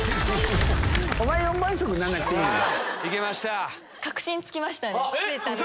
おまえ４倍速になんなくていいのよ。